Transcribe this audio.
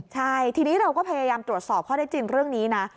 ใช่ทีนี้เราก็พยายามตรวจสอบข้อได้จริงเรื่องนี้นะ